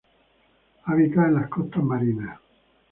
Habita en las costas marinas.